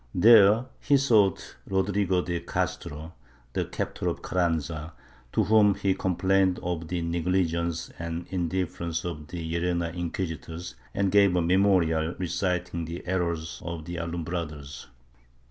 There he sought Rodrigo de Castro — the captor of Car ranza — to whom he complained of the negligence and indifference of the Llerena inquisitors, and gave a memorial reciting the errors of the Alumbrados.